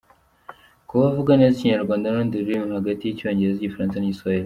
Kuba avuga neza Ikinyarwanda n’urundi rurimi, hagati y’Icyongereza, Igifaransa n’Igiswahili.